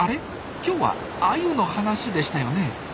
今日はアユの話でしたよね？